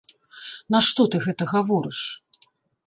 Нашто ты гэта гаворыш?